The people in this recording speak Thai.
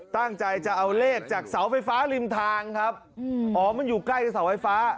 ตั้งใจจะเอาเลขจากเสาไฟฟ้าริมทางครับอ๋อมันอยู่ใกล้กับเสาไฟฟ้า